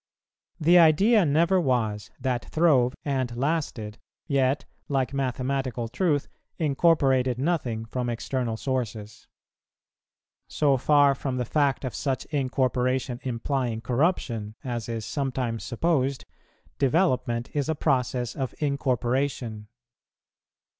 The idea never was that throve and lasted, yet, like mathematical truth, incorporated nothing from external sources. So far from the fact of such incorporation implying corruption, as is sometimes supposed, development is a process of incorporation.